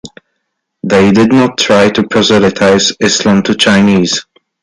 They did not try to proselytize Islam to Chinese.